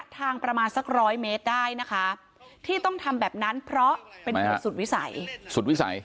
ที่ต้องทำแบบนั้นเพราะเป็นเหตุสุดวิสัย